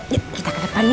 yuk kita ke depannya